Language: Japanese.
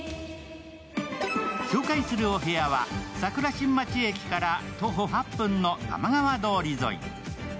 紹介するお部屋は桜新町駅から徒歩８分の玉川通り沿い。